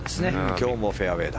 今日もフェアウェーだ。